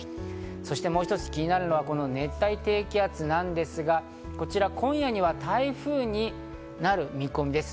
そしてもう一つ気になるのは、熱帯低気圧なんですが、こちら今夜には台風になる見込みです。